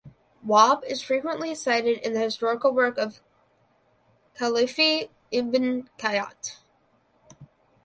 Wahb is frequently cited in the historical work of Khalifa ibn Khayyat.